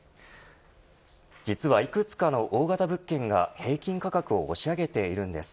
実は、いくつかの大型物件が平均価格を押し上げているんです。